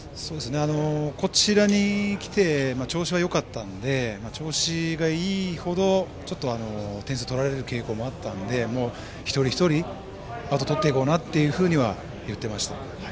こちらに来て調子がよかったので調子がいいほどちょっと点数取られる傾向があったので一人一人アウトをとっていこうなとは言っていました。